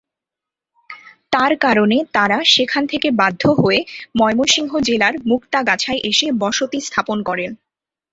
তার কারণে তারা সেখান থেকে বাধ্য হয়ে ময়মনসিংহ জেলার মুক্তাগাছায় এসে বসতি স্থাপন করেন।